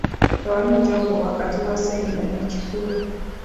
Tewali njawulo wakati wa ssennyiga n'ekifuba.